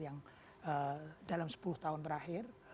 yang dalam sepuluh tahun terakhir